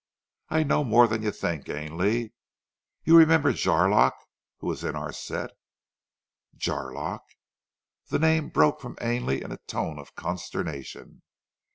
"I know more than you think, Ainley. You remember Jarlock who was in our set ?" "Jarlock!" The name broke from Ainley in a tone of consternation.